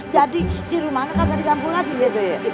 jadi si rumahnya kagak digampung lagi ya